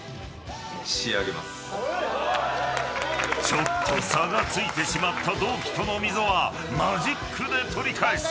ちょっと差がついてしまった同期との溝はマジックで取り返す。